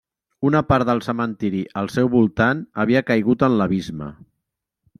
Una part del cementiri al seu voltant havia caigut en l'abisme.